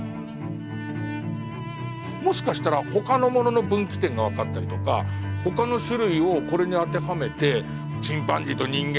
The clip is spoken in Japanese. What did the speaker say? もしかしたらほかのものの分岐点が分かったりとかほかの種類をこれに当てはめてチンパンジーと人間の分岐